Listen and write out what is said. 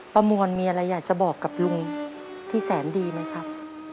ประมวลมีอะไรอยากจะบอกกับลุงที่แสนดีไหมครับ